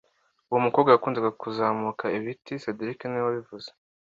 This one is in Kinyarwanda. Uwo mukobwa yakundaga kuzamuka ibiti cedric niwe wabivuze